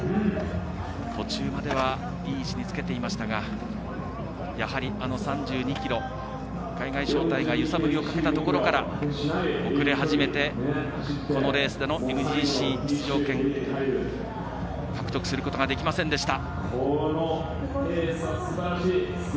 途中まではいい位置につけていましたがあの３２ｋｍ、海外招待が揺さぶりをかけたところから遅れ始めて、このレースでのＭＧＣ出場権獲得することができませんでした。